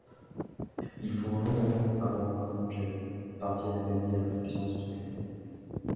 Il faut un long moment avant qu'Angel parvienne à gagner la confiance de Gunn.